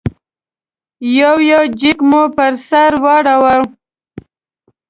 یو یو جېک مو پر سر واړاوه.